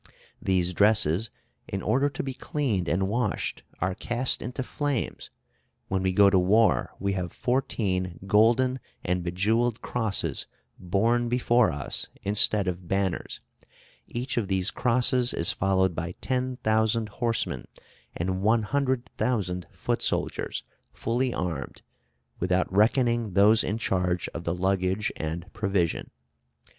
These dresses, in order to be cleaned and washed, are cast into flames.... When we go to war, we have fourteen golden and bejewelled crosses borne before us instead of banners; each of these crosses is followed by 10,000 horsemen, and 100,000 foot soldiers fully armed, without reckoning those in charge of the luggage and provision.